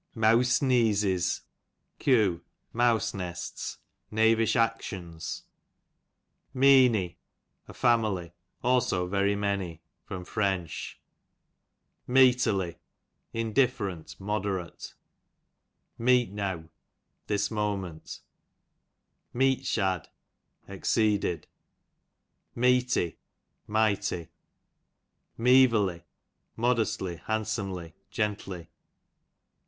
Meawse neezes, q. mouse nests^ knavish actions. Meeny, a family ; also very mtmy. Fr. Meeterly, indifferently^ mode» rate, Meet neavT, this moment. Meet shad, exceeded. Meety, mighty, Meeverly, modestly, hand' somely^ gently.